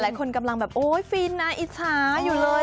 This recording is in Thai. กำลังแบบโอ๊ยฟินนะอิจฉาอยู่เลย